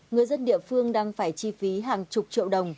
người dân địa phương đang phải chi phí hàng chục triệu đồng